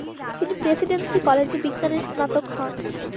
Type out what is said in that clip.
তিনি প্রেসিডেন্সি কলেজে বিজ্ঞানের স্নাতক হন।